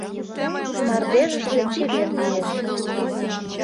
Мардежыште чевер лиеш.